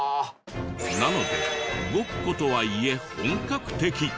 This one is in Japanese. なのでごっことはいえ本格的。